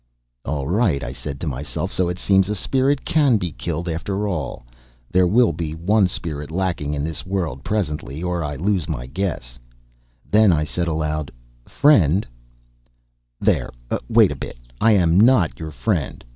"All right," said I to myself; "so it seems a spirit can be killed, after all; there will be one spirit lacking in this world, presently, or I lose my guess." Then I said aloud: "Friend " "There; wait a bit. I am not your friend.